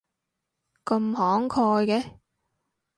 咁慷慨嘅